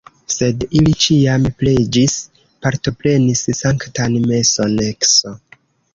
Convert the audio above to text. Sed ili ĉiam preĝis, partoprenis sanktan meson ks.